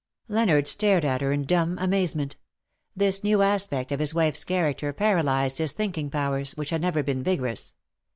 298 Leonard stared at her in dumb amazement. This new aspect of his wife^s character paralyzed his thinking powers^ which had never been vigorous.